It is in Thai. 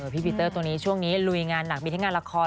พี่ปีเตอร์ตัวนี้ช่วงนี้ลุยงานหนักมีทั้งงานละคร